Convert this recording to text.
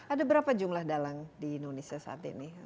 ada berapa jumlah dalang di indonesia saat ini